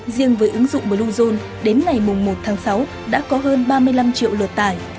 riêng với ứng dụng bluezone đến ngày một tháng sáu đã có hơn ba mươi năm triệu lượt tải